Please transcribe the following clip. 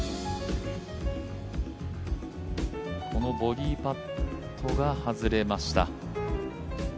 このボギーパットが外れました。